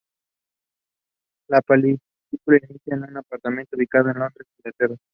La película inicia en un apartamento ubicado en Londres, Inglaterra.